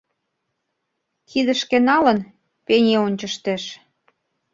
Кидышке налын, пени ончыштеш.